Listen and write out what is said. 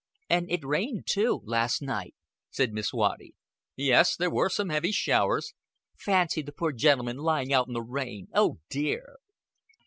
"And it rained, too, last night," said Miss Waddy. "Yes, there was some heavy showers." "Fancy the poor gentleman lying out in the rain. Oh, dear!"